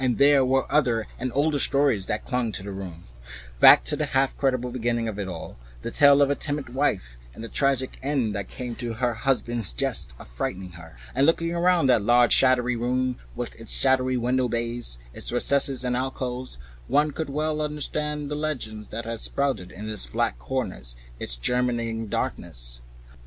There were other and older stories that clung to the room, back to the half incredible beginning of it all, the tale of a timid wife and the tragic end that came to her husband's jest of frightening her. And looking round that huge shadowy room with its black window bays, its recesses and alcoves, its dusty brown red hangings and dark gigantic furniture, one could well understand the legends that had sprouted in its black corners, its germinating darknesses.